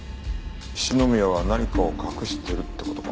篠宮は何かを隠してるって事か。